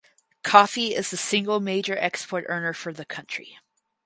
Coffee is the single major export earner for the country.